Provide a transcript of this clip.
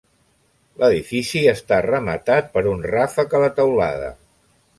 L'edifici està rematat per un ràfec a la teulada.